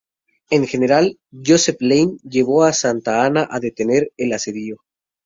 El general Joseph Lane llevó a Santa Anna a detener el asedio.